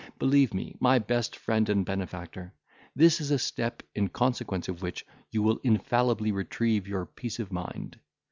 Believe me, my best friend and benefactor, this is a step, in consequence of which you will infallibly retrieve your peace of mind.